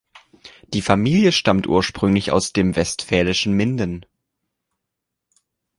Die Familie stammt ursprünglich aus dem westfälischen Minden.